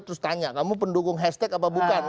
terus tanya kamu pendukung hashtag apa bukan